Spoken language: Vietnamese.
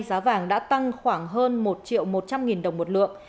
giá vàng đã tăng khoảng hơn một triệu một trăm linh nghìn đồng một lượng